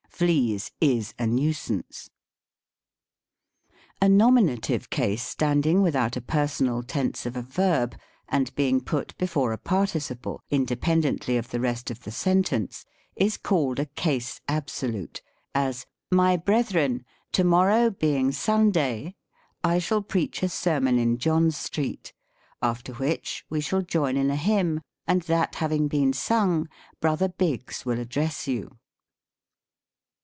" Fleas is n nuisance." A nominative case, standing without a personal tense of a verb, and being put before a participle, indepen dently of the rest of the sentence, is called a case abso Jute : as, " My brethren, to morrow being Sunday, I SYNTAX. 81 shall preach a sermon in John street ; after which we shall join in a hymn, and that having been sung, Brother Biggs will address you."